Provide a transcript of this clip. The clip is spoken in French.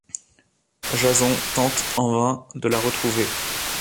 Jason tente, en vain, de la retrouver.